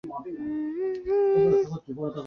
分权的目的在于避免独裁者的产生。